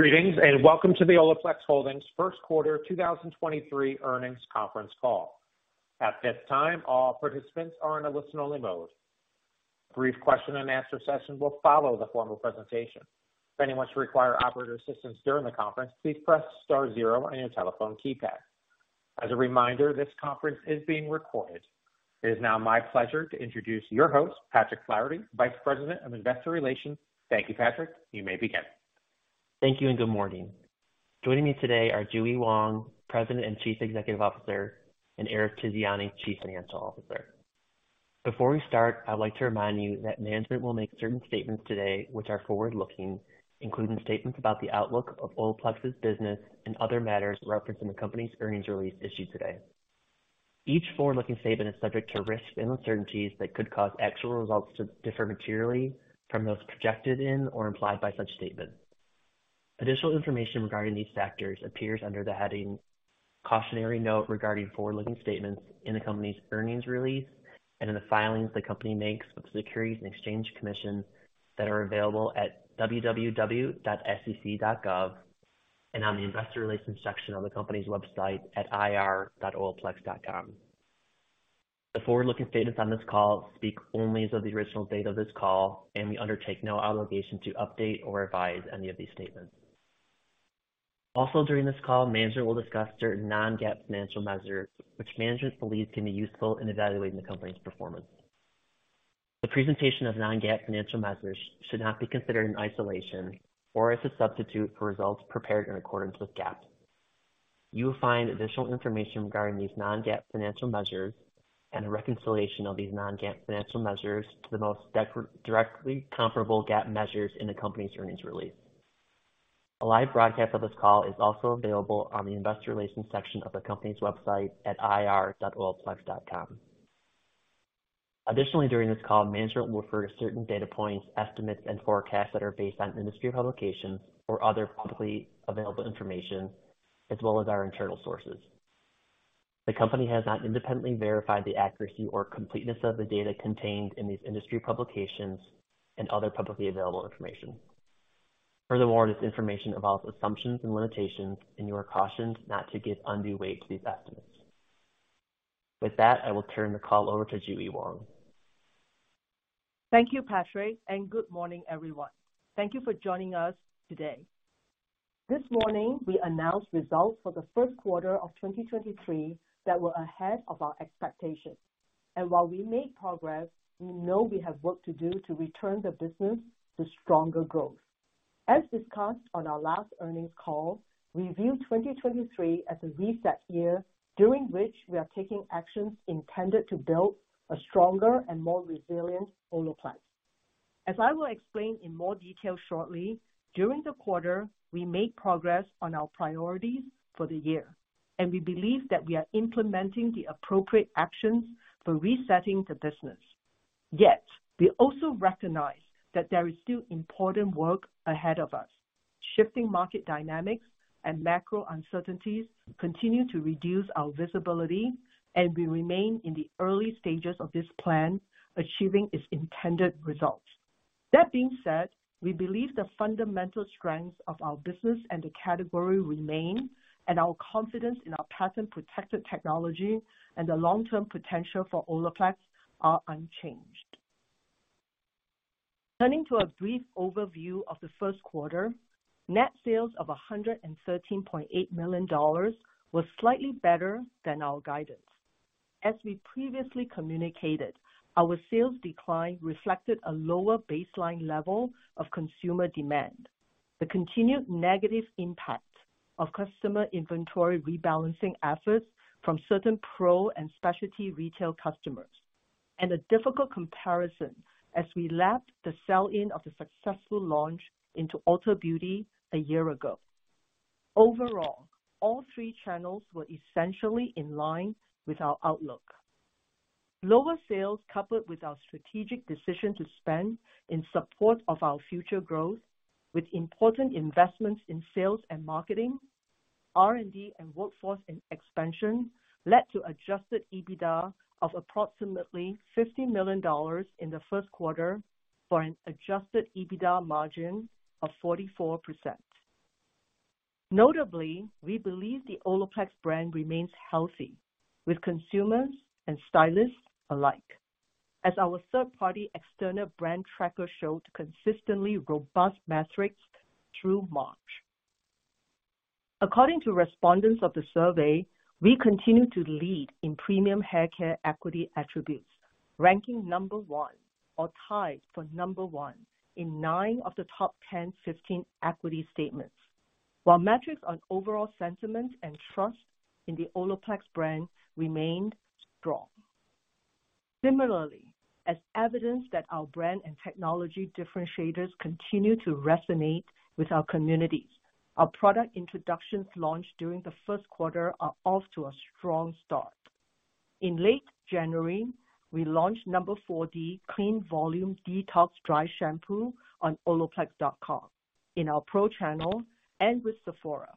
Greetings, welcome to the Olaplex Holdings Q1 2023 Earnings Conference Call. At this time all participants are in a listen only mode. A brief question and answer session will follow the formal presentation. If anyone should require operator assistance during the conference, please press star zero on your telephone keypad. A reminder this conference is being recorded. It is now my pleasure to introduce your host Patrick Flaherty, Vice President of Investor Relations. Thank you, Patrick. You may begin. Thank you and good morning. Joining me today are JuE Wong, President and Chief Executive Officer and Eric Tiziani, Chief Financial Officer. Before we start, I'd like to remind you that management will make certain statements today which are forward-looking, including statements about the outlook of Olaplex's business and other matters referenced in the company's earnings release issued today. Each forward-looking statement is subject to risks and uncertainties that could cause actual results to differ materially from those projected in or implied by such statements. Additional information regarding these factors appears under the heading Cautionary Note regarding forward-looking statements in the company's earnings release and in the filings the company makes with the Securities and Exchange Commission that are available at www.sec.gov and on the investor relations section of the company's website at ir.olaplex.com. The forward-looking statements on this call speak only as of the original date of this call and we undertake no obligation to update or revise any of these statements. Also, during this call, management will discuss certain non-GAAP financial measures which management believes can be useful in evaluating the company's performance. The presentation of non-GAAP financial measures should not be considered in isolation or as a substitute for results prepared in accordance with GAAP. You will find additional information regarding these non-GAAP financial measures and a reconciliation of these non-GAAP financial measures to the most directly comparable GAAP measures in the company's earnings release. A live broadcast of this call is also available on the investor relations section of the company's website at ir.olaplex.com. Additionally, during this call, management will refer to certain data points, estimates and forecasts that are based on industry publications or other publicly available information as well as our internal sources. The company has not independently verified the accuracy or completeness of the data contained in these industry publications and other publicly available information. Furthermore, this information involves assumptions and limitations and you are cautioned not to give undue weight to these estimates. With that, I will turn the call over to JuE Wong. Thank you, Patrick. Good morning, everyone. Thank you for joining us today. This morning we announced results for the Q1 of 2023 that were ahead of our expectations. While we made progress we know we have work to do to return the business to stronger growth. As discussed on our last earnings call, we view 2023 as a reset year during which we are taking actions intended to build a stronger and more resilient Olaplex. As I will explain in more detail shortly during the quarter, we made progress on our priorities for the year and we believe that we are implementing the appropriate actions for resetting the business. We also recognize that there is still important work ahead of us. Shifting market dynamics and macro uncertainties continue to reduce our visibility and we remain in the early stages of this plan achieving its intended results. That being said, we believe the fundamental strengths of our business and the category remain and our confidence in our patent-protected technology and the long-term potential for Olaplex are unchanged. Turning to a brief overview of the Q1. Net sales of $113.8 million was slightly better than our guidance. As we previously communicated, our sales decline reflected a lower baseline level of consumer demand, the continued negative impact of customer inventory rebalancing efforts from certain pro and specialty retail customers and a difficult comparison as we lapped the sell-in of the successful launch into Ulta Beauty a year ago. Overall, all three channels were essentially in line with our outlook. Lower sales, coupled with our strategic decision to spend in support of our future growth with important investments in sales and marketing, R&D and workforce and expansion, led to adjusted EBITDA of approximately $50 million in the Q1 for an adjusted EBITDA margin of 44%. Notably, we believe the Olaplex brand remains healthy with consumers and stylists alike as our third-party external brand tracker showed consistently robust metrics through March. According to respondents of the survey, we continue to lead in premium haircare equity attributes, ranking number 1 or tied for number 1 in 9 of the top 10 15 equity statements, while metrics on overall sentiment and trust in the Olaplex brand remained strong. Similarly, as evidence that our brand and technology differentiators continue to resonate with our communities, our product introductions launched during the Q1 are off to a strong start. In late January, we launched No. 4D Clean Volume Detox Dry Shampoo on olaplex.com in our pro channel and with Sephora.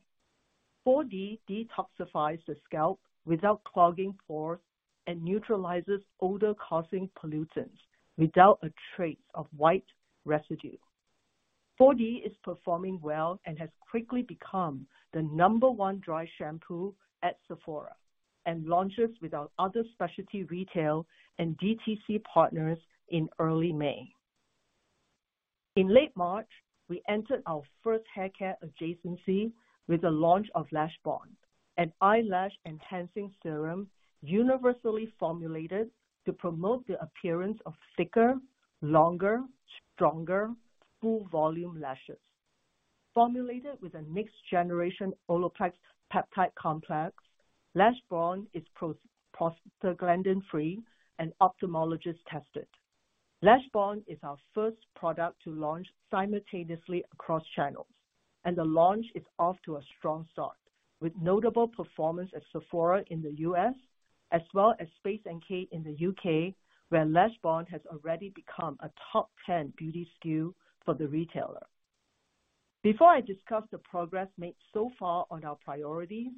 4D detoxifies the scalp without clogging pores and neutralizes odor-causing pollutants without a trace of white residue. 4D is performing well and has quickly become the number 1 dry shampoo at Sephora and launches with our other specialty retail and DTC partners in early May. In late March, we entered our first haircare adjacency with the launch of LASHBOND, an eyelash-enhancing serum universally formulated to promote the appearance of thicker, longer, stronger, full volume lashes. Formulated with a next generation OLAPLEX Peptide Complex, LASHBOND is prostaglandin-free and ophthalmologist tested. Lashbond is our first product to launch simultaneously across channels and the launch is off to a strong start, with notable performance at Sephora in the U.S. as well as Space NK in the U.K., where Lashbond has already become a top 10 beauty SKU for the retailer. Before I discuss the progress made so far on our priorities,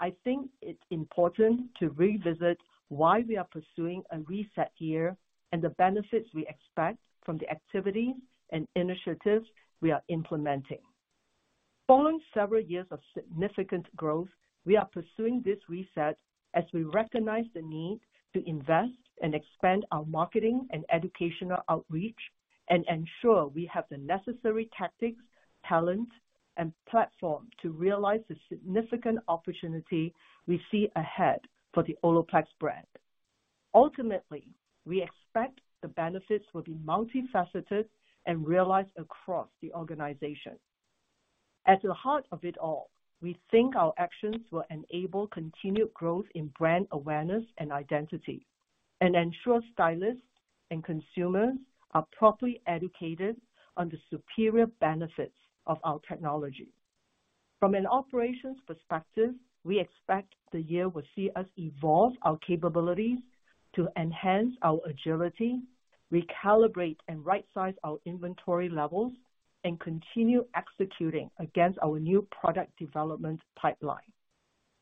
I think it's important to revisit why we are pursuing a reset year and the benefits we expect from the activities and initiatives we are implementing. Following several years of significant growth, we are pursuing this reset as we recognize the need to invest and expand our marketing and educational outreach and ensure we have the necessary tactics, talent and platform to realize the significant opportunity we see ahead for the Olaplex brand. Ultimately, we expect the benefits will be multifaceted and realized across the organization. At the heart of it all, we think our actions will enable continued growth in brand awareness and identity and ensure stylists and consumers are properly educated on the superior benefits of our technology. From an operations perspective, we expect the year will see us evolve our capabilities to enhance our agility, recalibrate and right-size our inventory levels and continue executing against our new product development pipeline.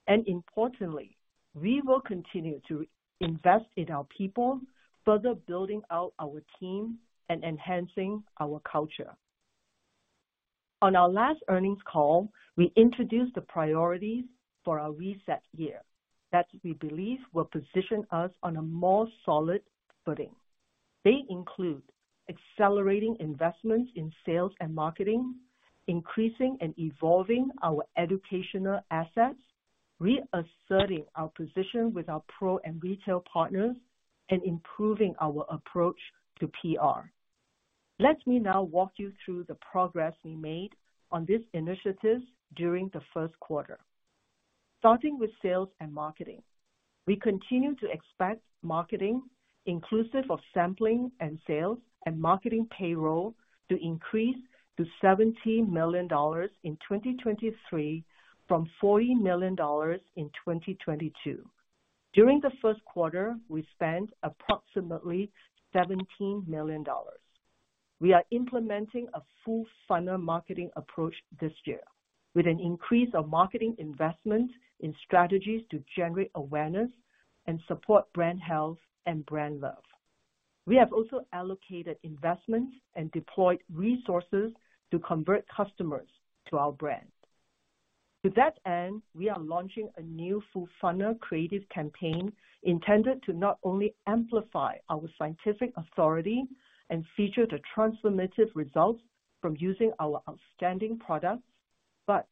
Importantly, we will continue to invest in our people, further building out our team and enhancing our culture. On our last earnings call, we introduced the priorities for our reset year that we believe will position us on a more solid footing. They include accelerating investments in sales and marketing, increasing and evolving our educational assets, reasserting our position with our pro and retail partners and improving our approach to PR. Let me now walk you through the progress we made on these initiatives during the Q1. Starting with sales and marketing. We continue to expect marketing, inclusive of sampling and sales and marketing payroll, to increase to $70 million in 2023 from $40 million in 2022. During the Q1, we spent approximately $17 million. We are implementing a full funnel marketing approach this year with an increase of marketing investments in strategies to generate awareness and support brand health and brand love. We have also allocated investments and deployed resources to convert customers to our brand. To that end, we are launching a new full funnel creative campaign intended to not only amplify our scientific authority and feature the transformative results from using our outstanding products but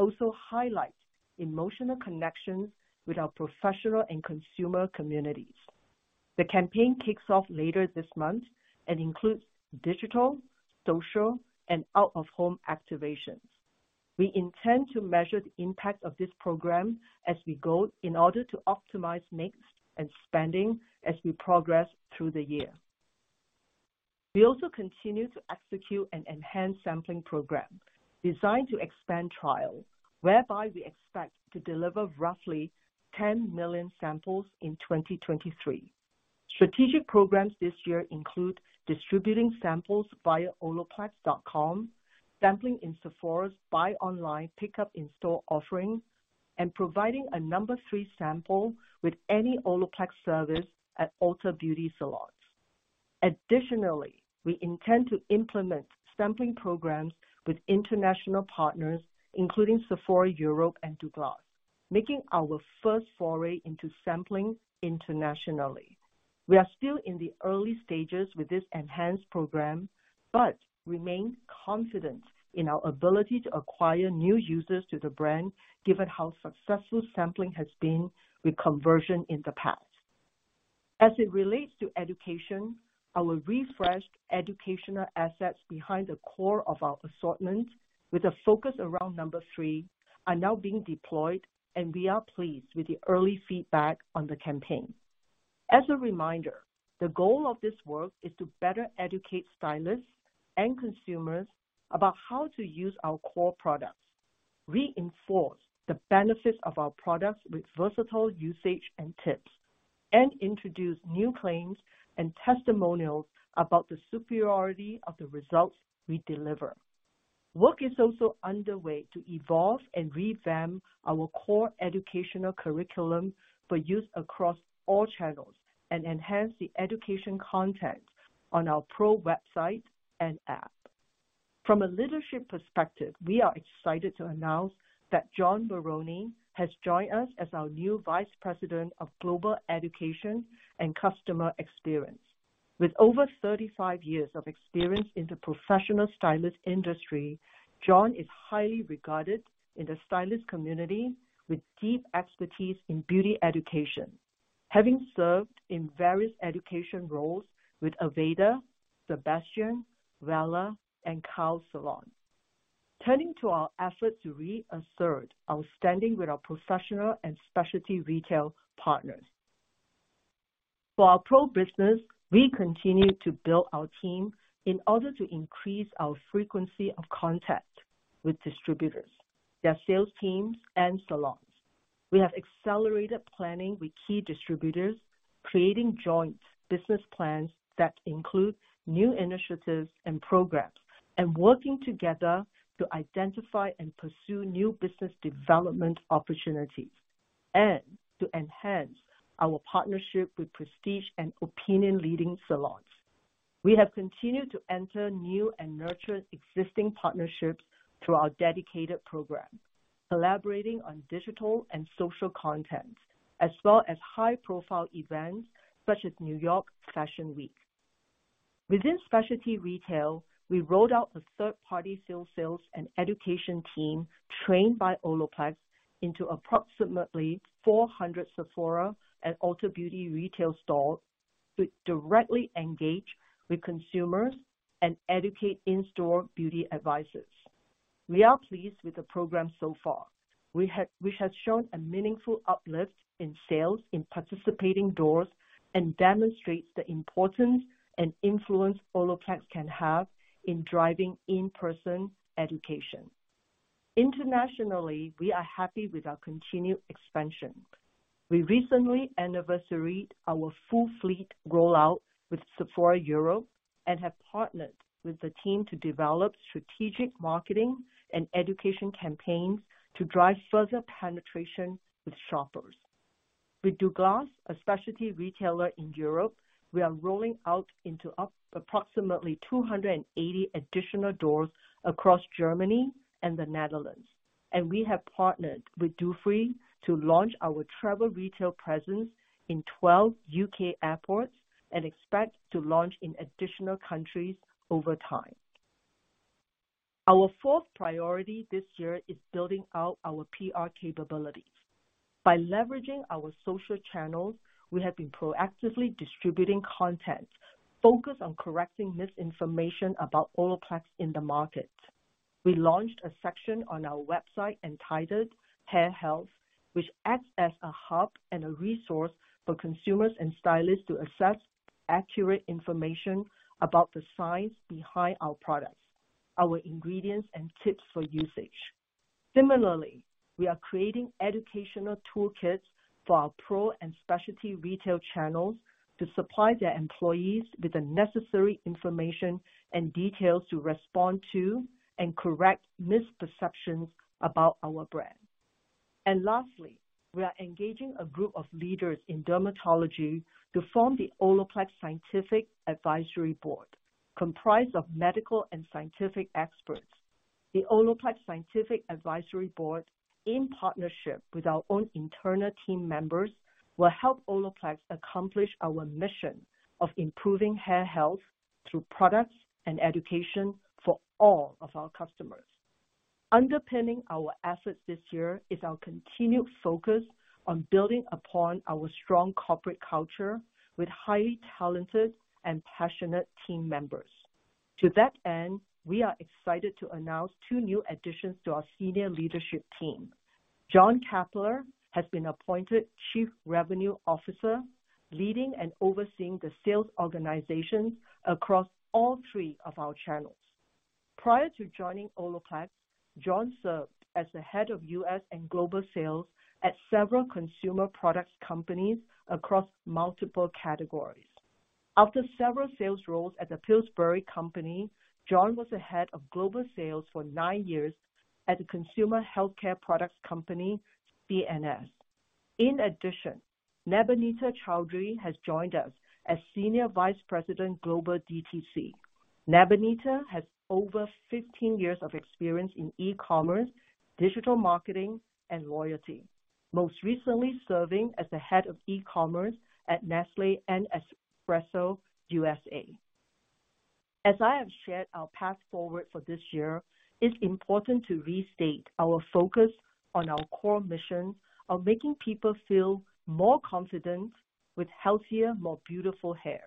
also highlight emotional connections with our professional and consumer communities. The campaign kicks off later this month and includes digital, social and out-of-home activations. We intend to measure the impact of this program as we go in order to optimize mix and spending as we progress through the year. We also continue to execute an enhanced sampling program designed to expand trial, whereby we expect to deliver roughly 10 million samples in 2023. Strategic programs this year include distributing samples via olaplex.com, sampling in Sephora's buy online pickup in-store offerings and providing a No. 3 sample with any Olaplex service at Ulta Beauty salons. Additionally, we intend to implement sampling programs with international partners, including Sephora Europe and Douglas, making our first foray into sampling internationally. We are still in the early stages with this enhanced program but remain confident in our ability to acquire new users to the brand, given how successful sampling has been with conversion in the past. As it relates to education, our refreshed educational assets behind the core of our assortment with a focus around No. 3 are now being deployed and we are pleased with the early feedback on the campaign. As a reminder, the goal of this work is to better educate stylists and consumers about how to use our core products, reinforce the benefits of our products with versatile usage and tips and introduce new claims and testimonials about the superiority of the results we deliver. Work is also underway to evolve and revamp our core educational curriculum for use across all channels and enhance the education content on our pro website and app. From a leadership perspective, we are excited to announce that John Barone has joined us as our new Vice President of Global Education and Customer Experience. With over 35 years of experience in the professional stylist industry, John is highly regarded in the stylist community with deep expertise in beauty education, having served in various education roles with Aveda, Sebastian, Wella and Cole's Salon. Turning to our efforts to reassert our standing with our professional and specialty retail partners. For our pro business, we continue to build our team in order to increase our frequency of contact with distributors, their sales teams and salons. We have accelerated planning with key distributors, creating joint business plans that include new initiatives and program and working together to identify and pursue new business development opportunities and to enhance our partnership with prestige and opinion leading salons. We have continued to enter new and nurture existing partnerships through our dedicated program, collaborating on digital and social content, as well as high-profile events such as New York Fashion Week. Within specialty retail, we rolled out a third-party field sales and education team trained by Olaplex into approximately 400 Sephora and Ulta Beauty retail stores to directly engage with consumers and educate in-store beauty advisors. We are pleased with the program so far, which has shown a meaningful uplift in sales in participating doors and demonstrates the importance and influence Olaplex can have in driving in-person education. Internationally, we are happy with our continued expansion. We recently anniversaried our full fleet rollout with Sephora Europe and have partnered with the team to develop strategic marketing and education campaigns to drive further penetration with shoppers. With Douglas, a specialty retailer in Europe, we are rolling out into approximately 280 additional doors across Germany and the Netherlands. We have partnered with Dufry to launch our travel retail presence in 12 UK airports and expect to launch in additional countries over time. Our fourth priority this year is building out our PR capabilities. By leveraging our social channels, we have been proactively distributing content focused on correcting misinformation about Olaplex in the market. We launched a section on our website entitled Hair Health, which acts as a hub and a resource for consumers and stylists to assess accurate information about the science behind our products, our ingredients and tips for usage. Similarly, we are creating educational toolkits for our pro and specialty retail channels to supply their employees with the necessary information and details to respond to and correct misperceptions about our brand. Lastly, we are engaging a group of leaders in dermatology to form the Olaplex Scientific Advisory Board, comprised of medical and scientific experts. The Olaplex Scientific Advisory Board, in partnership with our own internal team members, will help Olaplex accomplish our mission of improving hair health through products and education for all of our customers. Underpinning our assets this year is our continued focus on building upon our strong corporate culture with highly talented and passionate team members. To that end, we are excited to announce two new additions to our senior leadership team. John Keppler has been appointed Chief Revenue Officer, leading and overseeing the sales organization across all three of our channels. Prior to joining Olaplex, John served as the Head of U.S. and Global Sales at several consumer products companies across multiple categories. After several sales roles at the Pillsbury Company, John was the head of global sales for 9 years at the Consumer Healthcare Products company, CNS. In addition, Nabanita Choudhury has joined us as senior vice president, Global DTC. Nabanita has over 15 years of experience in e-commerce, digital marketing and loyalty, most recently serving as the head of e-commerce at Nestlé Nespresso USA. As I have shared our path forward for this year, it's important to restate our focus on our core mission of making people feel more confident with healthier, more beautiful hair.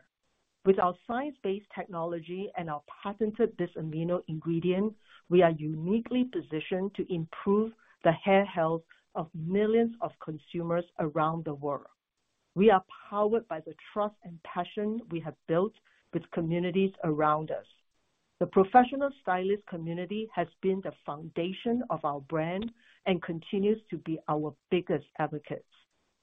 With our science-based technology and our patented Bis-Aminopropyl Diglycol Dimaleate ingredient, we are uniquely positioned to improve the hair health of millions of consumers around the world. We are powered by the trust and passion we have built with communities around us. The professional stylist community has been the foundation of our brand and continues to be our biggest advocates.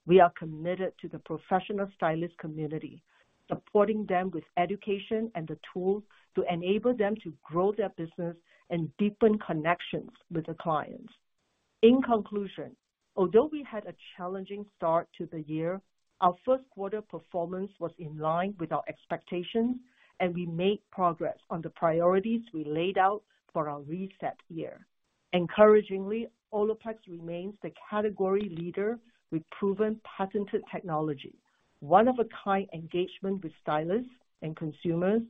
We are committed to the professional stylist community, supporting them with education and the tools to enable them to grow their business and deepen connections with the clients. In conclusion, although we had a challenging start to the year, our Q1 performance was in line with our expectations and we made progress on the priorities we laid out for our reset year. Encouragingly, Olaplex remains the category leader with proven patented technology, one of a kind engagement with stylists and consumers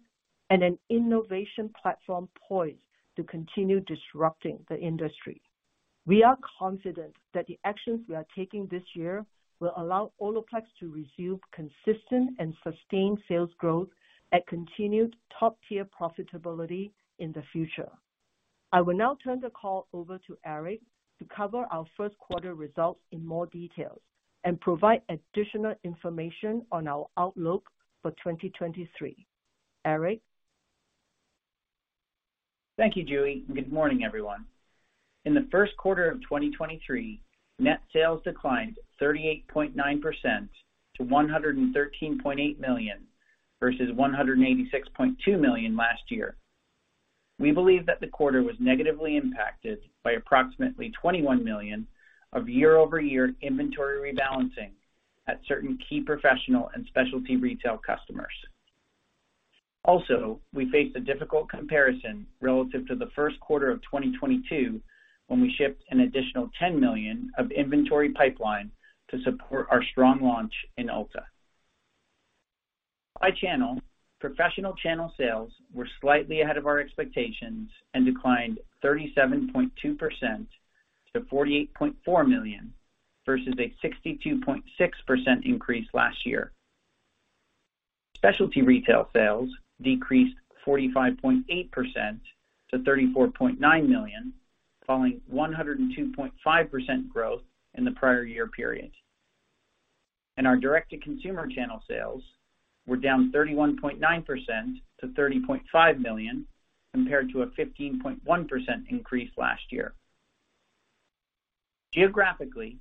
and an innovation platform poised to continue disrupting the industry. We are confident that the actions we are taking this year will allow Olaplex to resume consistent and sustained sales growth at continued top-tier profitability in the future. I will now turn the call over to Eric to cover our Q1 results in more detail and provide additional information on our outlook for 2023. Eric? Thank you, JuE. Good morning, everyone. In the Q1 of 2023, net sales declined 38.9% to $113.8 million, versus $186.2 million last year. We believe that the quarter was negatively impacted by approximately $21 million of year-over-year inventory rebalancing at certain key professional and specialty retail customers. We faced a difficult comparison relative to the Q1 of 2022, when we shipped an additional $10 million of inventory pipeline to support our strong launch in Ulta. By channel, professional channel sales were slightly ahead of our expectations and declined 37.2% to $48.4 million, versus a 62.6% increase last year. Specialty retail sales decreased 45.8% to $34.9 million, following 102.5% growth in the prior year period. Our direct-to-consumer channel sales were down 31.9% to $30.5 million, compared to a 15.1% increase last year. Geographically,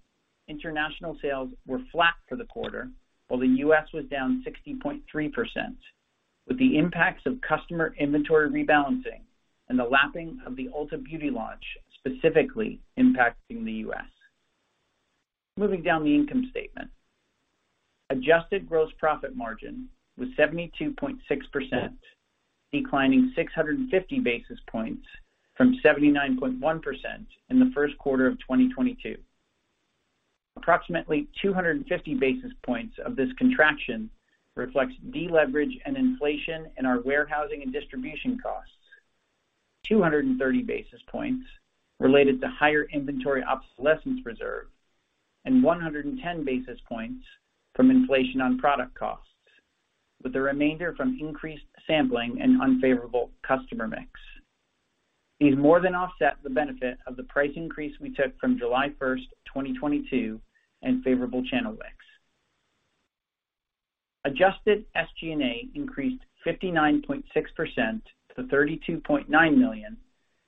international sales were flat for the quarter, while the US was down 60.3%, with the impacts of customer inventory rebalancing and the lapping of the Ulta Beauty launch, specifically impacting the US. Moving down the income statement. Adjusted gross profit margin was 72.6%, declining 650 basis points from 79.1% in the Q1 of 2022. Approximately 250 basis points of this contraction reflects deleverage and inflation in our warehousing and distribution costs. 230 basis points related to higher inventory obsolescence reserve and 110 basis points from inflation on product costs, with the remainder from increased sampling and unfavorable customer mix. These more than offset the benefit of the price increase we took from July 1st, 2022 and favorable channel mix. Adjusted SG&A increased 59.6% to $32.9 million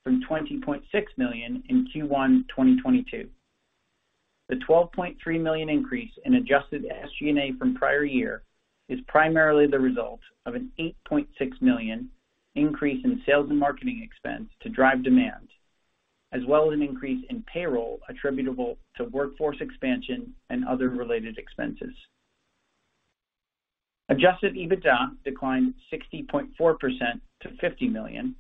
from $20.6 million in Q1 2022. The $12.3 million increase in adjusted SG&A from prior year is primarily the result of an $8.6 million increase in sales and marketing expense to drive demand, as well as an increase in payroll attributable to workforce expansion and other related expenses. Adjusted EBITDA declined 60.4% to $50 million,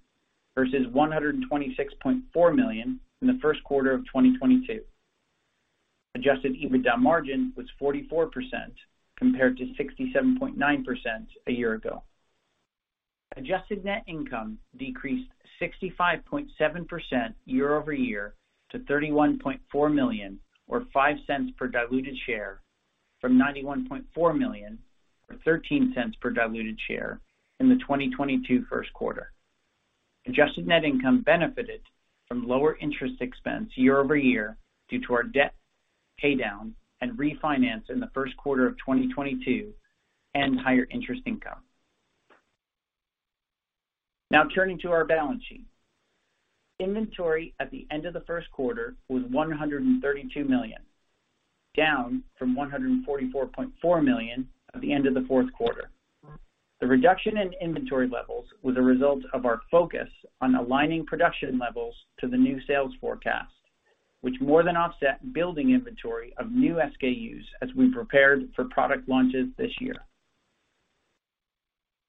versus $126.4 million in the Q1 of 2022. Adjusted EBITDA margin was 44% compared to 67.9% a year ago. Adjusted net income decreased 65.7% year-over-year to $31.4 million or $0.05 per diluted share from $91.4 million or $0.13 per diluted share in the 2022 Q1. Adjusted net income benefited from lower interest expense year-over-year due to our debt pay down and refinance in the Q1 of 2022 and higher interest income. Turning to our balance sheet. Inventory at the end of the Q1 was $132 million, down from $144.4 million at the end of the fourth quarter. The reduction in inventory levels was a result of our focus on aligning production levels to the new sales forecast, which more than offset building inventory of new SKUs as we prepared for product launches this year.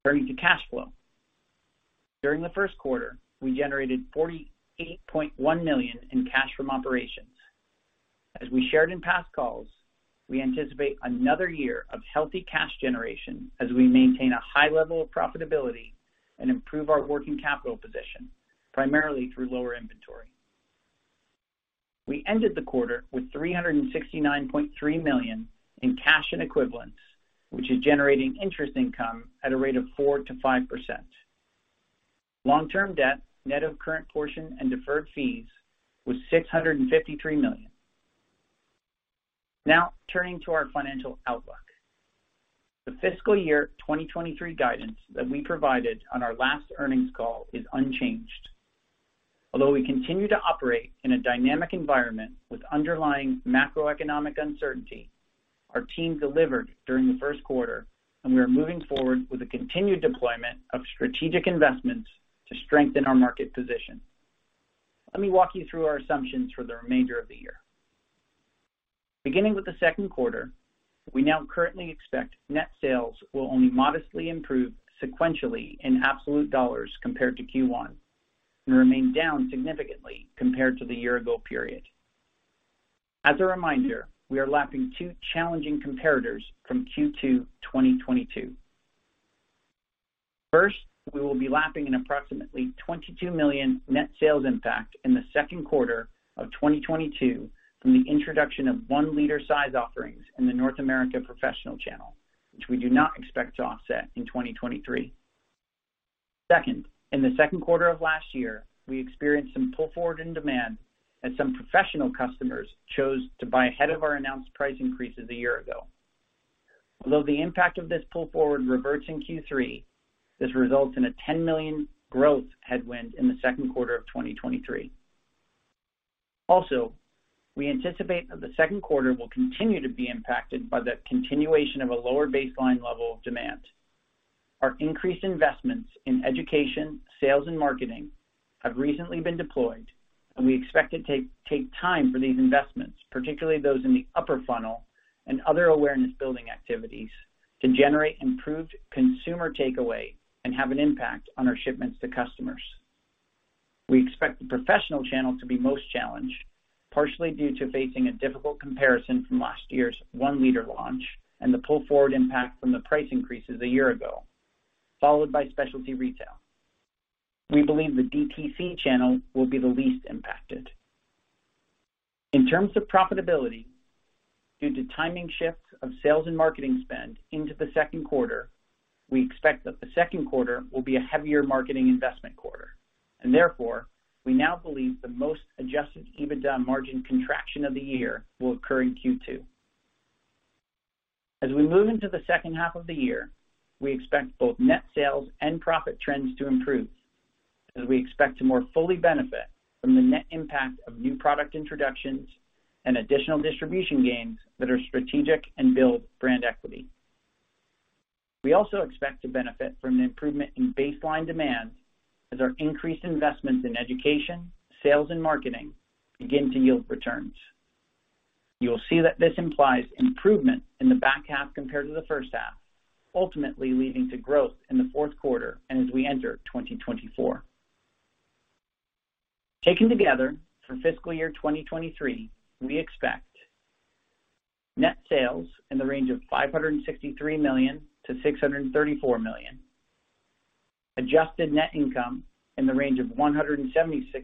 Turning to cash flow. During the Q1, we generated $48.1 million in cash from operations. As we shared in past calls, we anticipate another year of healthy cash generation as we maintain a high level of profitability and improve our working capital position, primarily through lower inventory. We ended the quarter with $369.3 million in cash and equivalents, which is generating interest income at a rate of 4%-5%. Long-term debt, net of current portion and deferred fees was $653 million. Turning to our financial outlook. The fiscal year 2023 guidance that we provided on our last earnings call is unchanged. Although we continue to operate in a dynamic environment with underlying macroeconomic uncertainty, our team delivered during the Q1 and we are moving forward with the continued deployment of strategic investments to strengthen our market position. Let me walk you through our assumptions for the remainder of the year. Beginning with the Q2, we now currently expect net sales will only modestly improve sequentially in absolute dollars compared to Q1 and remain down significantly compared to the year ago period. As a reminder, we are lapping two challenging comparators from Q2 2022. First, we will be lapping an approximately $22 million net sales impact in Q2 2022 from the introduction of 1 liter size offerings in the North America professional channel, which we do not expect to offset in 2023. Second, in Q2 last year, we experienced some pull forward in demand as some professional customers chose to buy ahead of our announced price increases a year ago. Although the impact of this pull forward reverts in Q3, this results in a $10 million growth headwind in Q2 2023. Also, we anticipate that Q2 will continue to be impacted by the continuation of a lower baseline level of demand. Our increased investments in education, sales and marketing have recently been deployed and we expect it take time for these investments, particularly those in the upper funnel and other awareness building activities, to generate improved consumer takeaway and have an impact on our shipments to customers. We expect the professional channel to be most challenged, partially due to facing a difficult comparison from last year's one liter launch and the pull forward impact from the price increases a year ago, followed by specialty retail. We believe the DTC channel will be the least impacted. In terms of profitability, due to timing shifts of sales and marketing spend into the Q2, we expect that the Q2 will be a heavier marketing investment quarter. Therefore, we now believe the most adjusted EBITDA margin contraction of the year will occur in Q2. As we move into the second half of the year, we expect both net sales and profit trends to improve as we expect to more fully benefit from the net impact of new product introductions and additional distribution gains that are strategic and build brand equity. We also expect to benefit from an improvement in baseline demand as our increased investments in education, sales and marketing begin to yield returns. You will see that this implies improvement in the back half compared to the first half, ultimately leading to growth in the fourth quarter and as we enter 2024. Taken together, for fiscal year 2023, we expect net sales in the range of $563 million-$634 million. Adjusted net income in the range of $176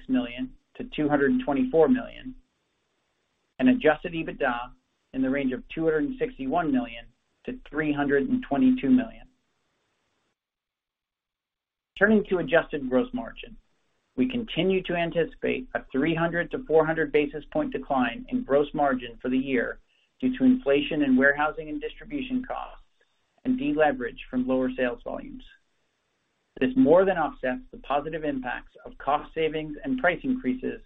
million-$224 million. Adjusted EBITDA in the range of $261 million-$322 million. Turning to adjusted gross margin, we continue to anticipate a 300-400 basis point decline in gross margin for the year due to inflation in warehousing and distribution costs and deleverage from lower sales volumes. This more than offsets the positive impacts of cost savings and price increases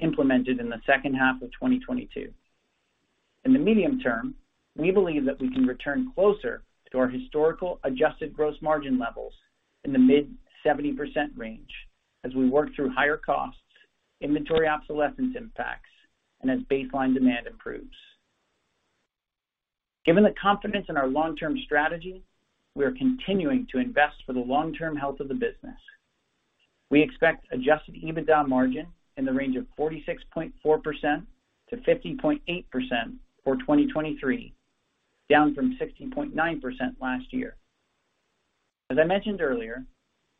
implemented in the second half of 2022. In the medium term, we believe that we can return closer to our historical adjusted gross margin levels in the mid 70% range as we work through higher costs, inventory obsolescence impacts and as baseline demand improves. Given the confidence in our long-term strategy, we are continuing to invest for the long-term health of the business. We expect adjusted EBITDA margin in the range of 46.4%-50.8% for 2023, down from 16.9% last year. As I mentioned earlier,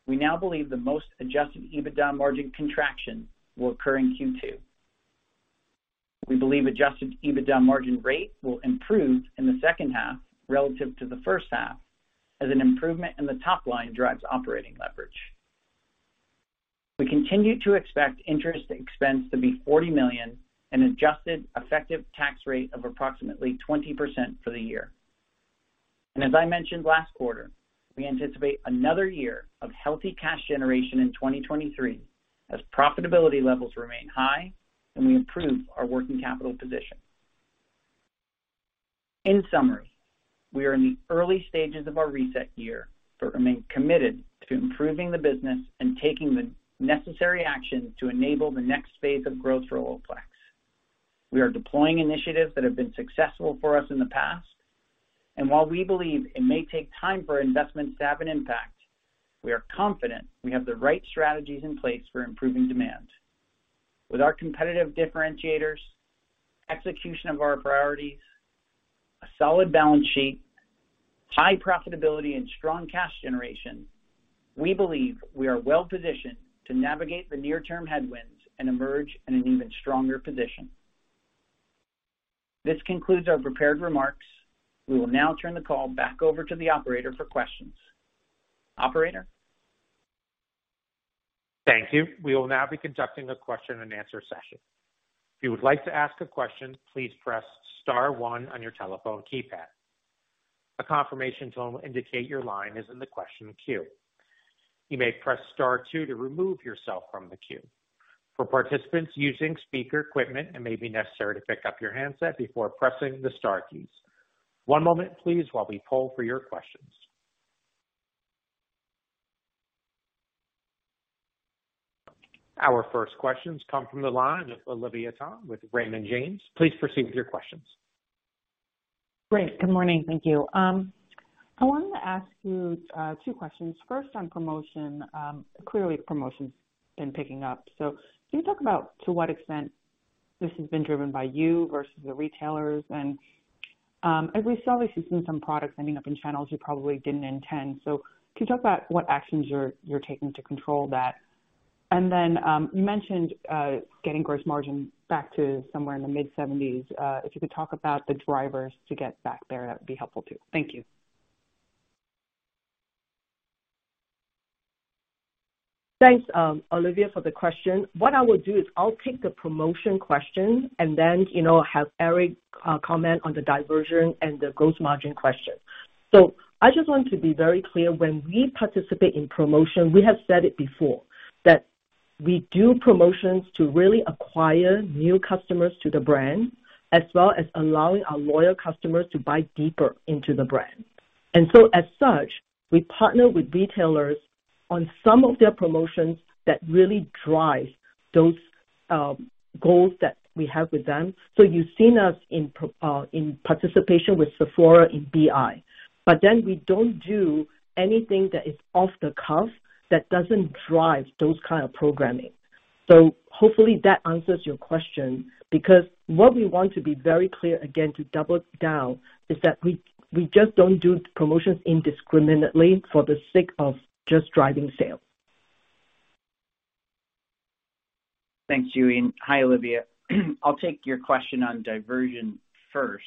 we now believe the most adjusted EBITDA margin contraction will occur in Q2. We believe adjusted EBITDA margin rate will improve in the second half relative to the first half as an improvement in the top line drives operating leverage. We continue to expect interest expense to be $40 million and adjusted effective tax rate of approximately 20% for the year. As I mentioned last quarter, we anticipate another year of healthy cash generation in 2023 as profitability levels remain high and we improve our working capital position. In summary, we are in the early stages of our reset year but remain committed to improving the business and taking the necessary action to enable the next phase of growth for Olaplex. We are deploying initiatives that have been successful for us in the past. While we believe it may take time for investments to have an impact, we are confident we have the right strategies in place for improving demand. With our competitive differentiators, execution of our priorities, a solid balance sheet, high profitability and strong cash generation, we believe we are well positioned to navigate the near term headwinds and emerge in an even stronger position. This concludes our prepared remarks. We will now turn the call back over to the operator for questions. Operator? Thank you. We will now be conducting a question and answer session. If you would like to ask a question, please press star one on your telephone keypad. A confirmation tone will indicate your line is in the question queue. You may press star two to remove yourself from the queue. For participants using speaker equipment, it may be necessary to pick up your handset before pressing the star keys. One moment please while we poll for your questions. Our first questions come from the line of Olivia Tong with Raymond James. Please proceed with your questions. Great. Good morning. Thank you. I wanted to ask you, two questions. First, on promotion. Clearly promotion's been picking up, so can you talk about to what extent this has been driven by you versus the retailers? As we saw, we've seen some products ending up in channels you probably didn't intend. Can you talk about what actions you're taking to control that? You mentioned getting gross margin back to somewhere in the mid-seventies. If you could talk about the drivers to get back there, that would be helpful too. Thank you. Thanks, Olivia, for the question. What I will do is I'll take the promotion question and then, you know, have Eric comment on the diversion and the gross margin question. I just want to be very clear. When we participate in promotion, we have said it before, that we do promotions to really acquire new customers to the brand, as well as allowing our loyal customers to buy deeper into the brand. As such, we partner with retailers on some of their promotions that really drive those goals that we have with them. You've seen us in participation with Sephora in BI. We don't do anything that is off the cuff that doesn't drive those kind of programming. Hopefully that answers your question, because what we want to be very clear, again, to double down, is that we just don't do promotions indiscriminately for the sake of just driving sales. Thanks, JuE. Hi, Olivia. I'll take your question on diversion first.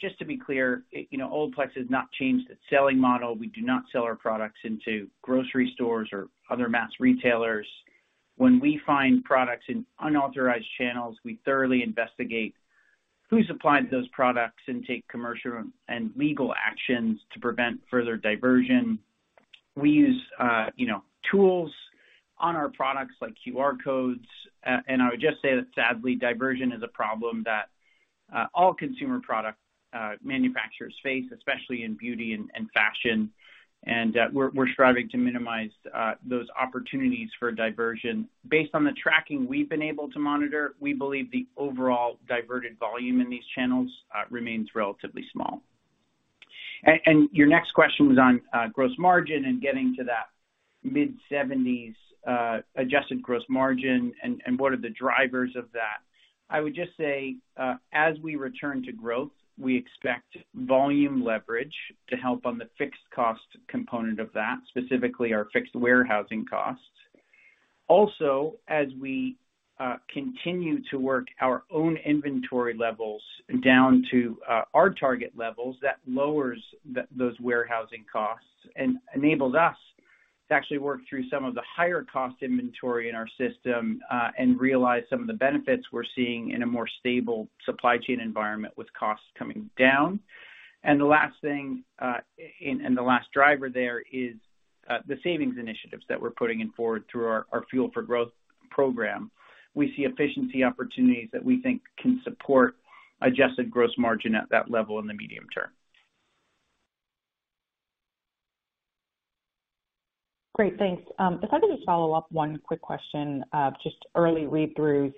Just to be clear, you know, Olaplex has not changed its selling model. We do not sell our products into grocery stores or other mass retailers. When we find products in unauthorized channels, we thoroughly investigate who supplied those products and take commercial and legal actions to prevent further diversion. We use, you know, tools on our products like QR codes. I would just say that sadly, diversion is a problem that all consumer product manufacturers face, especially in beauty and fashion. We're striving to minimize those opportunities for diversion. Based on the tracking we've been able to monitor, we believe the overall diverted volume in these channels remains relatively small. Your next question was on gross margin and getting to that mid-70s% adjusted gross margin and what are the drivers of that. I would just say, as we return to growth, we expect volume leverage to help on the fixed cost component of that, specifically our fixed warehousing costs. Also, as we continue to work our own inventory levels down to our target levels, that lowers those warehousing costs and enables us to actually work through some of the higher cost inventory in our system and realize some of the benefits we're seeing in a more stable supply chain environment with costs coming down. The last thing and the last driver there is the savings initiatives that we're putting in forward through our Fuel for Growth program. We see efficiency opportunities that we think can support adjusted gross margin at that level in the medium term. Great, thanks. If I could just follow up one quick question, just early read through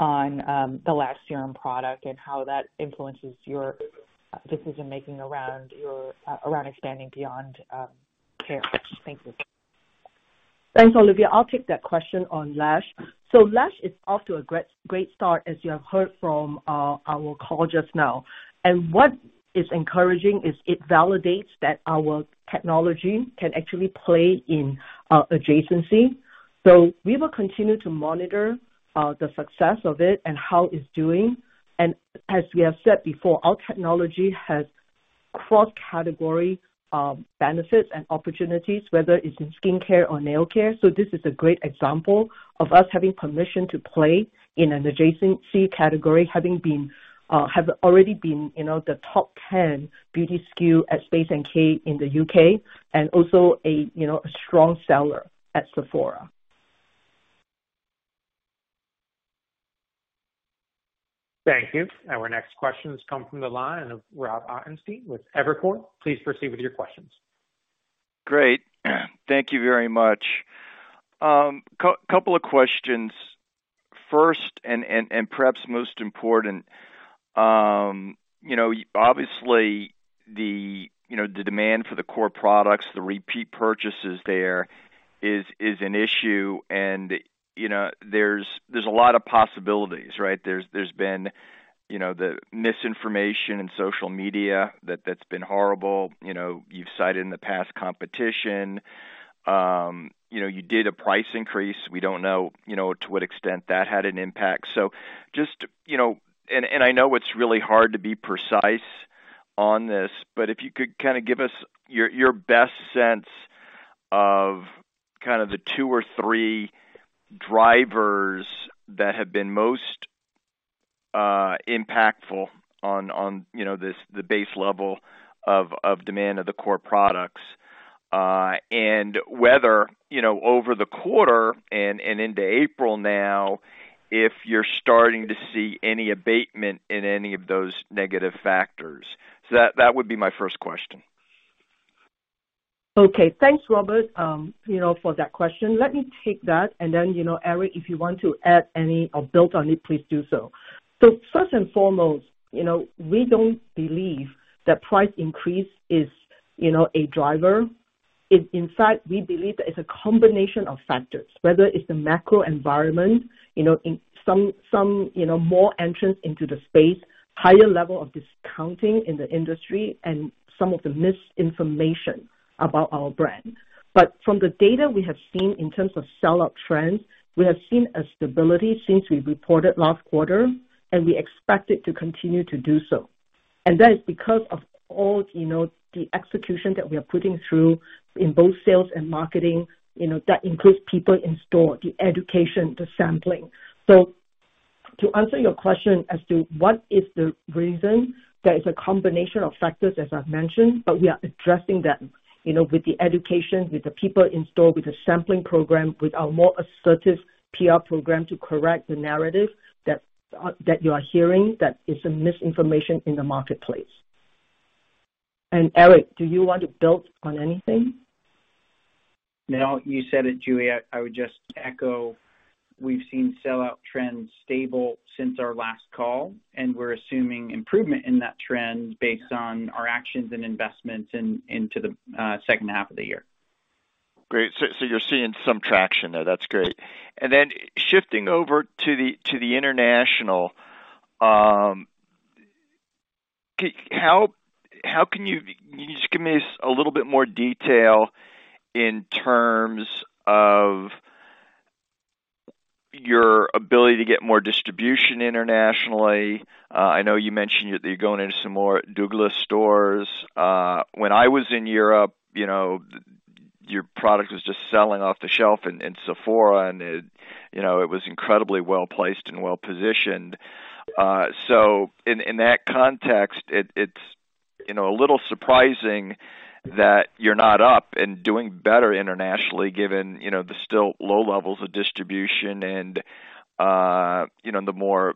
on the lash serum product and how that influences your decision-making around your expanding beyond care. Thank you. Thanks, Olivia. Lash is off to a great start, as you have heard from our call just now. What is encouraging is it validates that our technology can actually play in adjacency. We will continue to monitor the success of it and how it's doing. As we have said before, our technology has cross-category benefits and opportunities, whether it's in skincare or nail care. This is a great example of us having permission to play in an adjacency category, already been, you know, the top 10 beauty SKU at Space NK in the UK and also a, you know, a strong seller at Sephora. Thank you. Our next questions come from the line of Rob Ottenstein with Evercore. Please proceed with your questions. Great. Thank you very much. Couple of questions. First and perhaps most important, you know, obviously the, you know, the demand for the core products, the repeat purchases there is an issue. You know, there's a lot of possibilities, right? There's been, you know, the misinformation in social media that's been horrible. You know, you've cited in the past competition. You know, you did a price increase. We don't know, you know, to what extent that had an impact. So just, you know, I know it's really hard to be precise on this. But if you could kind of give us your best sense of kind of the two or three drivers that have been most impactful on, you know, this, the base level of demand of the core products? Whether, you know, over the quarter and into April now, if you're starting to see any abatement in any of those negative factors. That would be my first question? Okay. Thanks, Robert, you know, for that question. Let me take that and then, you know, Eric, if you want to add any or build on it, please do so. First and foremost, you know, we don't believe that price increase is, you know, a driver. Inside, we believe that it's a combination of factors, whether it's the macro environment, you know, in some, you know, more entrants into the space, higher level of discounting in the industry and some of the misinformation about our brand. From the data we have seen in terms of sell out trends, we have seen a stability since we reported last quarter and we expect it to continue to do so. That is because of all, you know, the execution that we are putting through in both sales and marketing, you know, that includes people in store, the education, the sampling. To answer your question as to what is the reason, that is a combination of factors, as I've mentioned but we are addressing that, you know, with the education, with the people in store, with the sampling program, with our more assertive PR program to correct the narrative that you are hearing that is a misinformation in the marketplace. Eric, do you want to build on anything? No, you said it, JuE. I would just echo. We're assuming improvement in that trend based on our actions and investments into the second half of the year. Great. You're seeing some traction there. That's great. Shifting over to the international, can you just give me a little bit more detail in terms of your ability to get more distribution internationally? I know you mentioned you're going into some more Douglas stores. When I was in Europe, you know, your product was just selling off the shelf in Sephora and it, you know, it was incredibly well placed and well positioned. In that context, it's, you know, a little surprising that you're not up and doing better internationally, given, you know, the still low levels of distribution and, you know, the more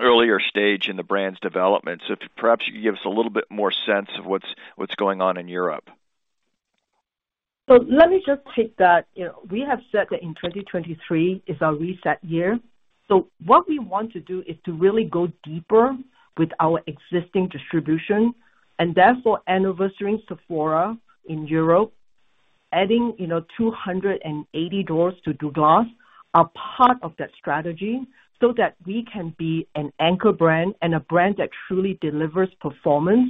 earlier stage in the brand's development. If perhaps you could give us a little bit more sense of what's going on in Europe? Let me just take that. You know, we have said that in 2023 is our reset year. What we want to do is to really go deeper with our existing distribution and therefore anniversarying Sephora in Europe, adding, you know, 280 doors to Douglas are part of that strategy so that we can be an anchor brand and a brand that truly delivers performance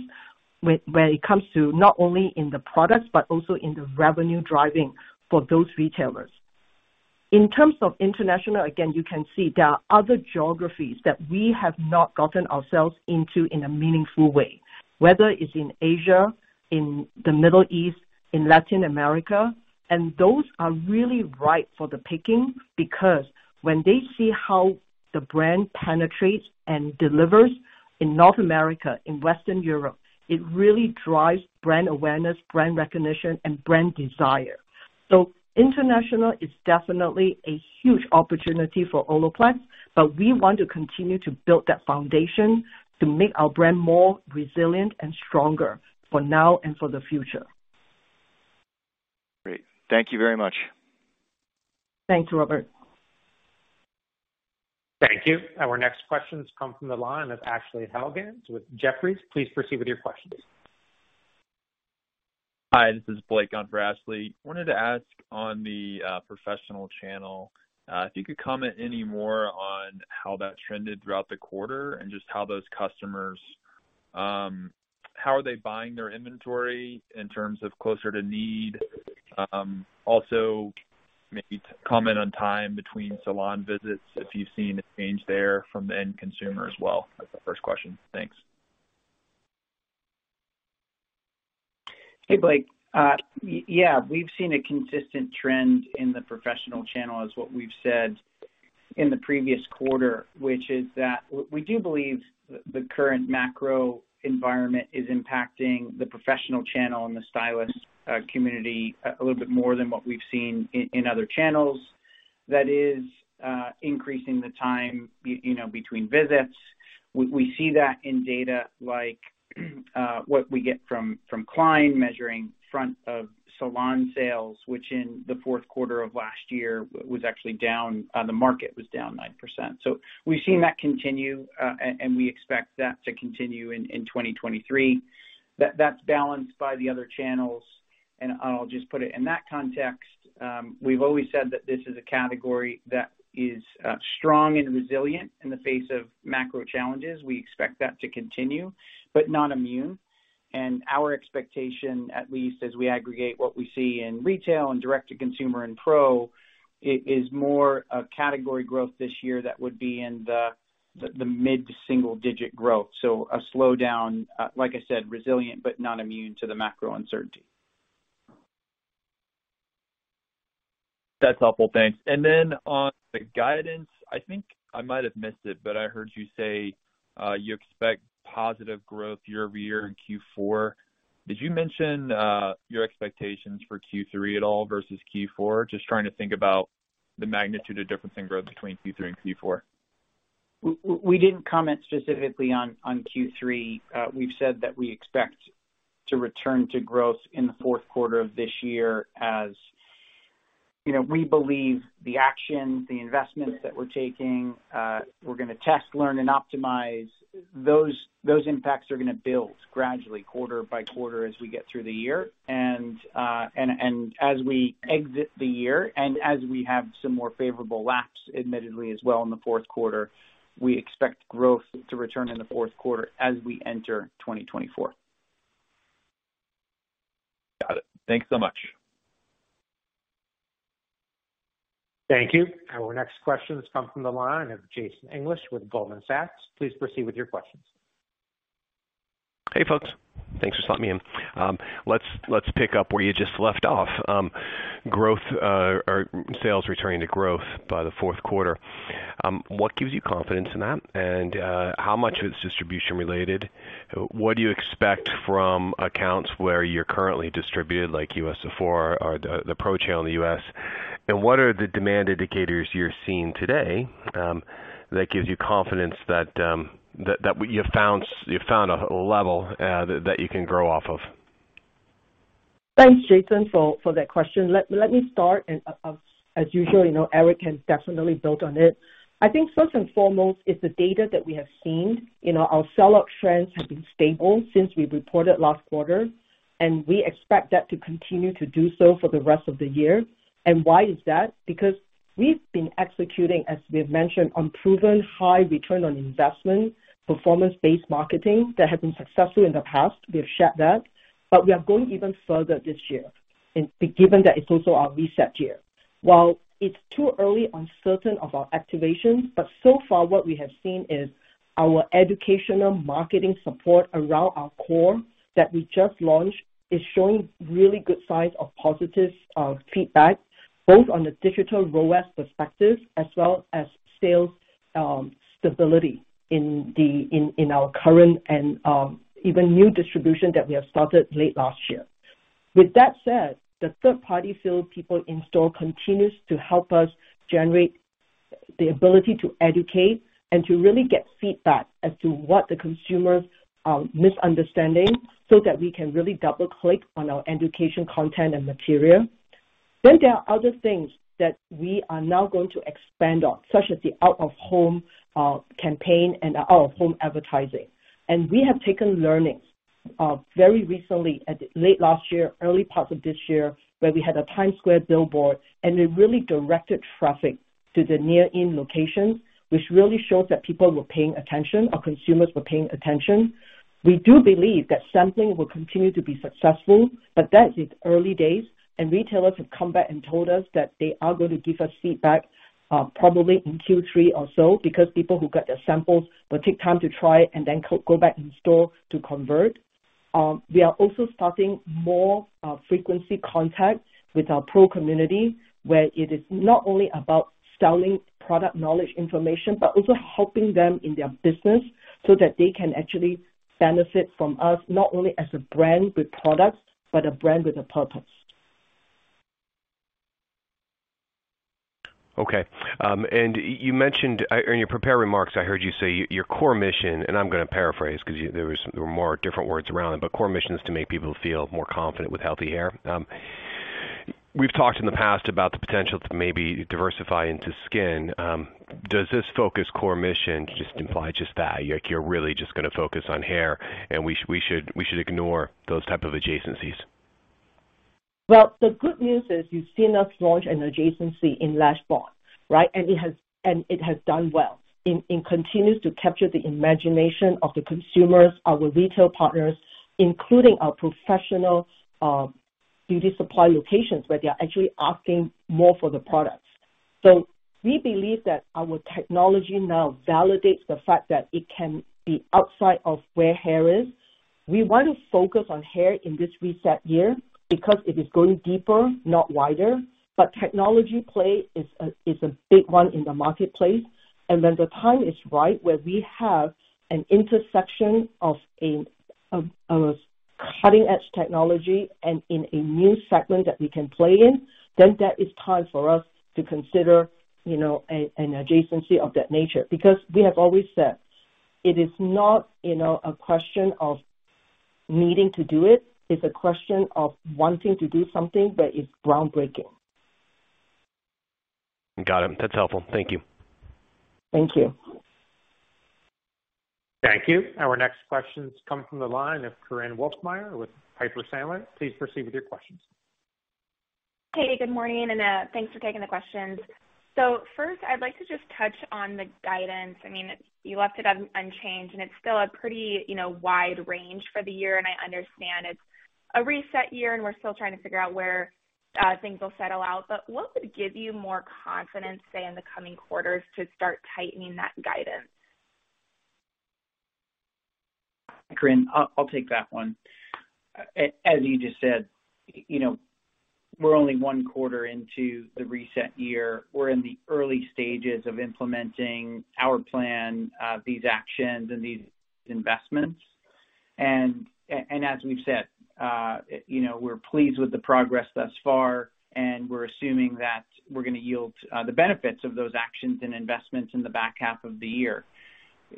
when it comes to not only in the products but also in the revenue driving for those retailers. In terms of international, again, you can see there are other geographies that we have not gotten ourselves into in a meaningful way, whether it's in Asia, in the Middle East, in Latin America. Those are really ripe for the picking because when they see how the brand penetrates and delivers in North America, in Western Europe, it really drives brand awareness, brand recognition and brand desire. International is definitely a huge opportunity for Olaplex but we want to continue to build that foundation to make our brand more resilient and stronger for now and for the future. Great. Thank you very much. Thanks, Robert. Thank you. Our next question comes from the line of Ashley Helgans with Jefferies. Please proceed with your questions. Hi, this is Blake on for Ashley. Wanted to ask on the professional channel, if you could comment any more on how that trended throughout the quarter and just how those customers, how are they buying their inventory in terms of closer to need? Also maybe comment on time between salon visits, if you've seen a change there from the end consumer as well? That's the first question. Thanks. Hey, Blake. Yeah, we've seen a consistent trend in the professional channel as what we've said in the previous quarter, which is that we do believe the current macro environment is impacting the professional channel and the stylist community a little bit more than what we've seen in other channels. That is, increasing the time, you know, between visits. We see that in data like what we get from Kline measuring front of salon sales, which in the fourth quarter of last year was actually down, the market was down 9%. We've seen that continue and we expect that to continue in 2023. That's balanced by the other channels. I'll just put it in that context. We've always said that this is a category that is strong and resilient in the face of macro challenges. We expect that to continue but not immune. Our expectation, at least as we aggregate what we see in retail and direct to consumer and pro, it is more a category growth this year that would be in the mid to single digit growth. A slowdown, like I said, resilient but not immune to the macro uncertainty. That's helpful. Thanks. On the guidance, I think I might have missed it but I heard you say, you expect positive growth year-over-year in Q4. Did you mention, your expectations for Q3 at all versus Q4? Just trying to think about the magnitude of difference in growth between Q3 and Q4. We didn't comment specifically on Q3. We've said that we expect to return to growth in the fourth quarter of this year as, you know, we believe the actions, the investments that we're taking, we're gonna test, learn and optimize those impacts are gonna build gradually quarter by quarter as we get through the year. As we exit the year and as we have some more favorable laps admittedly as well in the fourth quarter, we expect growth to return in the fourth quarter as we enter 2024. Got it. Thanks so much. Thank you. Our next question comes from the line of Jason English with Goldman Sachs. Please proceed with your questions. Hey, folks. Thanks for letting me in. Let's pick up where you just left off. Growth or sales returning to growth by the fourth quarter. What gives you confidence in that? How much is distribution related? What do you expect from accounts where you're currently distributed, like Sephora or the pro channel in the US? What are the demand indicators you're seeing today that gives you confidence that you found a level that you can grow off of? Thanks, Jason, for that question. Let me start. As usual, you know, Eric can definitely build on it. I think first and foremost is the data that we have seen. You know, our sellout trends have been stable since we reported last quarter and we expect that to continue to do so for the rest of the year. Why is that? Because we've been executing, as we've mentioned, on proven high return on investment, performance-based marketing that has been successful in the past. We have shared that. We are going even further this year and given that it's also our reset year. While it's too early on certain of our activations but so far what we have seen is our educational marketing support around our core that we just launched is showing really good signs of positive feedback, both on the digital ROAS perspective as well as sales stability in our current and even new distribution that we have started late last year. With that said, the third party field people in store continues to help us generate the ability to educate and to really get feedback as to what the consumer are misunderstanding so that we can really double-click on our education content and material. There are other things that we are now going to expand on, such as the out-of-home campaign and out-of-home advertising. We have taken learnings, very recently at late last year, early parts of this year, where we had a Times Square billboard. It really directed traffic to the near-in locations, which really showed that people were paying attention, our consumers were paying attention. We do believe that sampling will continue to be successful. That is early days. Retailers have come back and told us that they are going to give us feedback, probably in Q3 or so because people who get their samples will take time to try and then go back in store to convert. We are also starting more frequency contacts with our pro community, where it is not only about selling product knowledge information but also helping them in their business so that they can actually benefit from us, not only as a brand with products but a brand with a purpose. Okay. You mentioned, in your prepared remarks, I heard you say your core mission and I'm gonna paraphrase because there was more different words around it but core mission is to make people feel more confident with healthy hair. We've talked in the past about the potential to maybe diversify into skin. Does this focus core mission just imply just that, like, you're really just gonna focus on hair and we should ignore those type of adjacencies? Well, the good news is you've seen us launch an adjacency in LASHBOND, right? It has done well and continues to capture the imagination of the consumers, our retail partners, including our professional beauty supply locations where they are actually asking more for the products. We believe that our technology now validates the fact that it can be outside of where hair is. We want to focus on hair in this reset year because it is going deeper, not wider. Technology play is a big one in the marketplace. When the time is right where we have an intersection of cutting-edge technology and in a new segment that we can play in, then that is time for us to consider, you know, an adjacency of that nature. We have always said it is not, you know, a question of needing to do it's a question of wanting to do something that is groundbreaking. Got it. That's helpful. Thank you. Thank you. Thank you. Our next question comes from the line of Korinne Wolfmeyer with Piper Sandler. Please proceed with your questions. Hey, good morning and thanks for taking the questions. First, I'd like to just touch on the guidance. I mean, you left it unchanged and it's still a pretty, you know, wide range for the year and I understand it's a reset year and we're still trying to figure out where things will settle out. What would give you more confidence, say, in the coming quarters to start tightening that guidance? Corinne, I'll take that one. As you just said, you know, we're only one quarter into the reset year. We're in the early stages of implementing our plan, these actions and these investments. As we've said, you know, we're pleased with the progress thus far and we're assuming that we're gonna yield the benefits of those actions and investments in the back half of the year.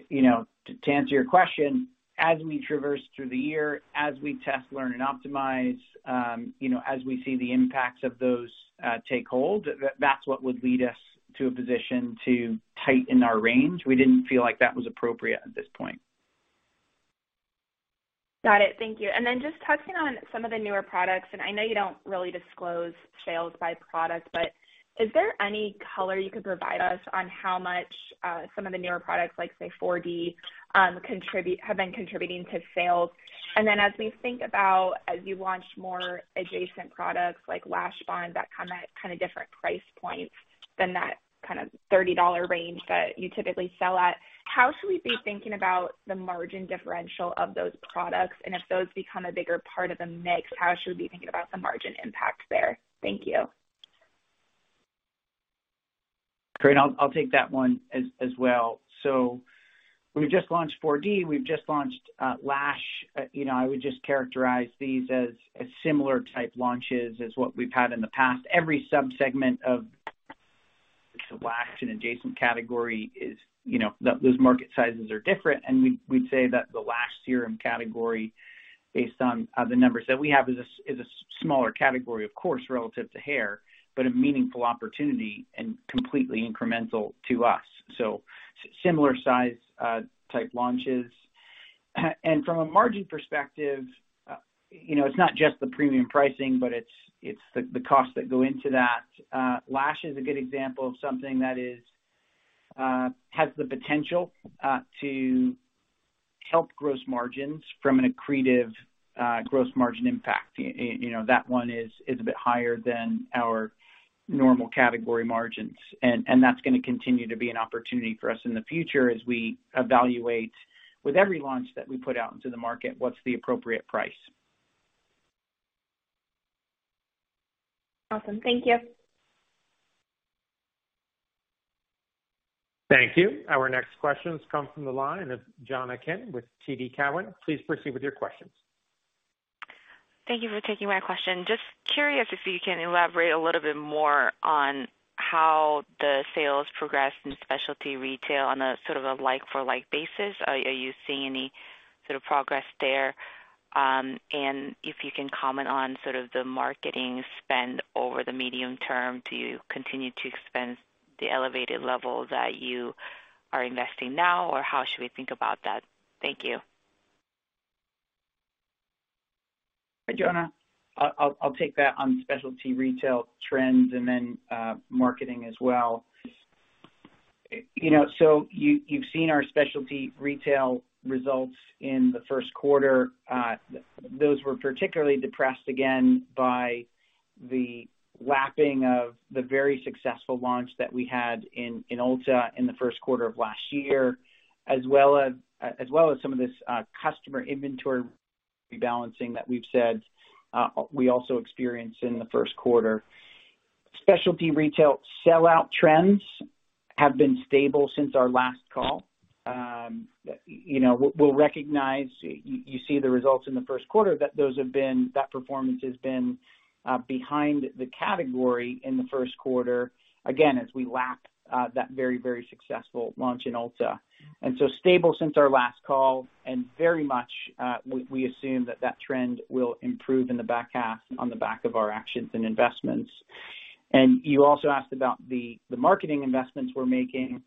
You know, to answer your question, as we traverse through the year, as we test, learn and optimize, you know, as we see the impacts of those take hold, that's what would lead us to a position to tighten our range. We didn't feel like that was appropriate at this point. Got it. Thank you. Just touching on some of the newer products and I know you don't really disclose sales by product but is there any color you could provide us on how much some of the newer products like, say, 4D have been contributing to sales? As we think about as you launch more adjacent products like LASHBOND that come at kind of different price points than that kind of $30 range that you typically sell at, how should we be thinking about the margin differential of those products? If those become a bigger part of the mix, how should we be thinking about the margin impact there? Thank you. Korinne, I'll take that one as well. We've just launched 4D. We've just launched Lash. You know, I would just characterize these as similar type launches as what we've had in the past. Every sub-segment of the Lash and adjacent category is, you know, those market sizes are different and we'd say that the Lash serum category, based on the numbers that we have, is a smaller category, of course, relative to hair but a meaningful opportunity and completely incremental to us. Similar size type launches. From a margin perspective, you know, it's not just the premium pricing but it's the costs that go into that. Lash is a good example of something that has the potential to help gross margins from an accretive gross margin impact. You know, that one is a bit higher than our normal category margins and that's gonna continue to be an opportunity for us in the future as we evaluate with every launch that we put out into the market, what's the appropriate price. Awesome. Thank you. Thank you. Our next question comes from the line of Jonna Kim with TD Cowen. Please proceed with your questions. Thank you for taking my question. Just curious if you can elaborate a little bit more on how the sales progressed in specialty retail on a sort of a like for like basis. Are you seeing any sort of progress there? If you can comment on sort of the marketing spend over the medium term. Do you continue to spend the elevated level that you are investing now, or how should we think about that? Thank you. Hi, Jonna. I'll take that on specialty retail trends and then marketing as well. You know, you've seen our specialty retail results in the Q1. Those were particularly depressed again by the lapping of the very successful launch that we had in Ulta in the Q1 of last year, as well as some of this customer inventory balancing that we've said we also experienced in the Q1. Specialty retail sellout trends have been stable since our last call. You know, you see the results in the Q1 that performance has been behind the category in the Q1, again, as we lap that very, very successful launch in Ulta. Stable since our last call and very much, we assume that that trend will improve in the back half on the back of our actions and investments. You also asked about the marketing investments we're making.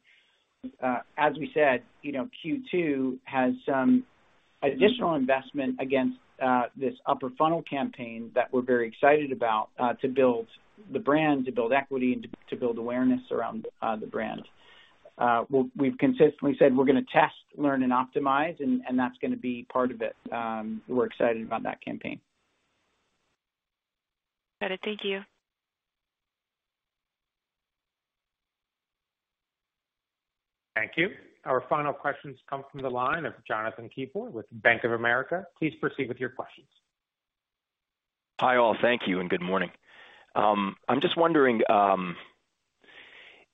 As we said, you know, Q2 has some additional investment against this upper funnel campaign that we're very excited about to build the brand, to build equity and to build awareness around the brand. We've consistently said, we're gonna test, learn and optimize and that's gonna be part of it. We're excited about that campaign. Got it. Thank you. Thank you. Our final questions come from the line of Jonathan Keypour with Bank of America. Please proceed with your questions. Hi, all. Thank you and good morning. I'm just wondering,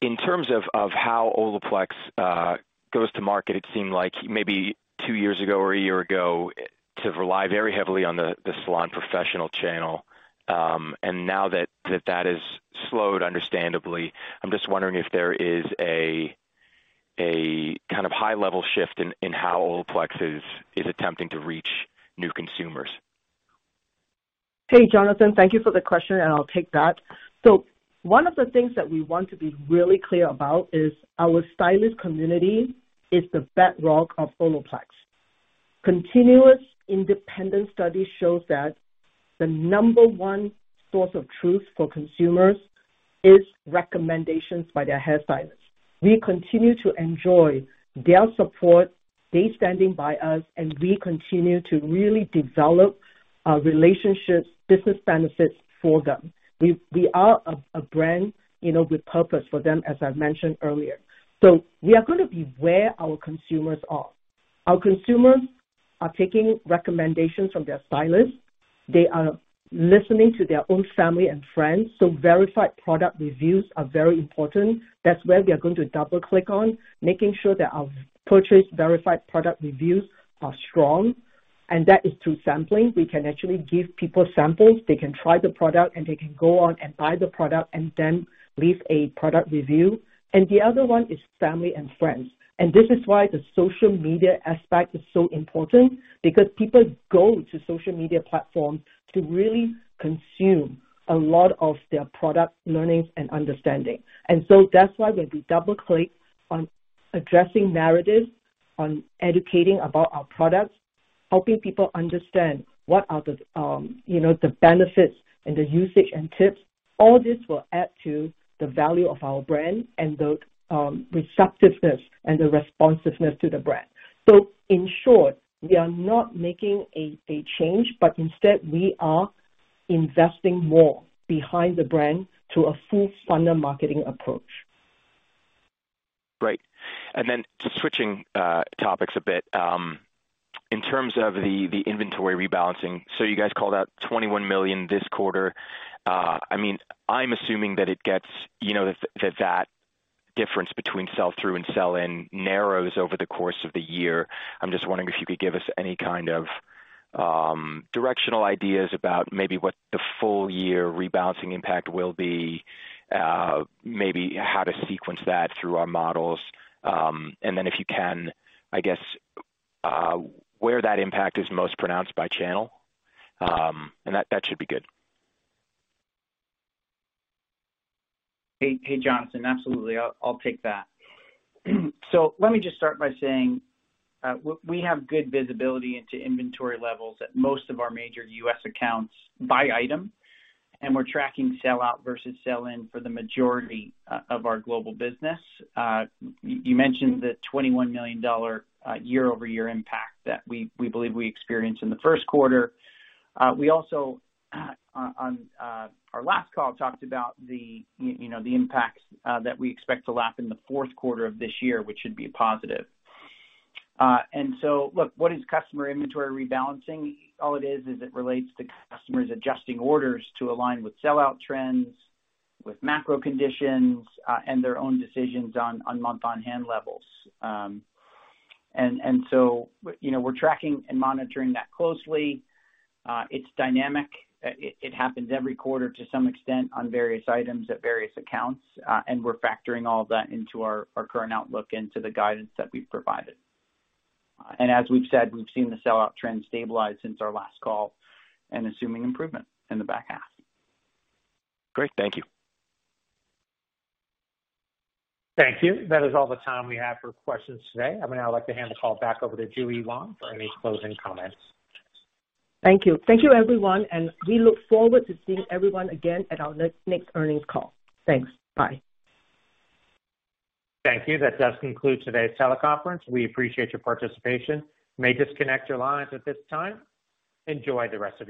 in terms of how Olaplex goes to market, it seemed like maybe 2 years ago or a year ago, to rely very heavily on the salon professional channel. Now that has slowed understandably, I'm just wondering if there is a kind of high level shift in how Olaplex is attempting to reach new consumers. Hey, Jonathan. Thank you for the question and I'll take that. One of the things that we want to be really clear about is our stylist community is the bedrock of Olaplex. Continuous independent studies shows that the number 1 source of truth for consumers is recommendations by their hairstylists. We continue to enjoy their support. They standing by us and we continue to really develop relationships, business benefits for them. We are a brand, you know, with purpose for them, as I mentioned earlier. We are gonna be where our consumers are. Our consumers are taking recommendations from their stylists. They are listening to their own family and friends, so verified product reviews are very important. That's where we are going to double-click on, making sure that our purchase verified product reviews are strong and that is through sampling. We can actually give people samples. They can try the product and they can go on and buy the product and then leave a product review. The other one is family and friends. This is why the social media aspect is so important because people go to social media platforms to really consume a lot of their product learnings and understanding. That's why we double-click on addressing narratives, on educating about our products, helping people understand what are the, you know, the benefits and the usage and tips. All this will add to the value of our brand and the receptiveness and the responsiveness to the brand. In short, we are not making a change but instead we are investing more behind the brand to a full funnel marketing approach. Great. Switching topics a bit, in terms of the inventory rebalancing. You guys called out $21 million this quarter. I mean, I'm assuming that it gets, you know, that difference between sell-through and sell-in narrows over the course of the year. I'm just wondering if you could give us any kind of directional ideas about maybe what the full year rebalancing impact will be, maybe how to sequence that through our models. If you can, I guess, where that impact is most pronounced by channel. That, that should be good. Hey, hey, Jonathan. Absolutely. I'll take that. Let me just start by saying, we have good visibility into inventory levels at most of our major U.S. accounts by item and we're tracking sell out versus sell in for the majority of our global business. You mentioned the $21 million year-over-year impact that we believe we experienced in the Q1. We also on our last call talked about you know, the impacts that we expect to lap in the fourth quarter of this year, which should be positive. Look, what is customer inventory rebalancing? All it is it relates to customers adjusting orders to align with sellout trends, with macro conditions and their own decisions on month-on-hand levels. You know, we're tracking and monitoring that closely. It's dynamic. It happens every quarter to some extent on various items at various accounts. We're factoring all of that into our current outlook into the guidance that we've provided. As we've said, we've seen the sellout trend stabilize since our last call and assuming improvement in the back half. Great. Thank you. Thank you. That is all the time we have for questions today. I would now like to hand the call back over to JuE Wong for any closing comments. Thank you. Thank you, everyone. We look forward to seeing everyone again at our next earnings call. Thanks. Bye. Thank you. That does conclude today's teleconference. We appreciate your participation. You may disconnect your lines at this time. Enjoy the rest of your day.